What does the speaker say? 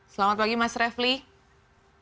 selamat pagi mas refli